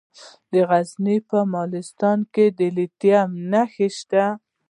د غزني په مالستان کې د لیتیم نښې شته.